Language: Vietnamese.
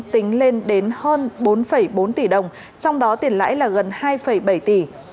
tính lên đến hơn bốn bốn tỷ đồng trong đó tiền lãi là gần hai bảy tỷ